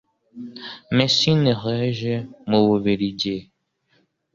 Messines Redge mu Bubiligi